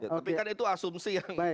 tapi kan itu asumsi